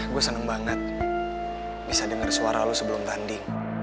gue seneng banget bisa denger suara lo sebelum tanding